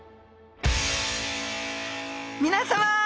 皆さま